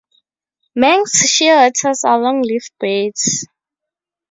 Manx shearwaters are long-lived birds.